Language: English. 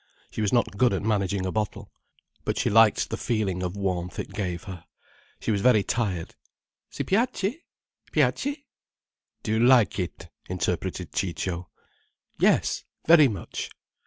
She was not good at managing a bottle. But she liked the feeling of warmth it gave her. She was very tired. "Si piace? Piace?" "Do you like it," interpreted Ciccio. "Yes, very much.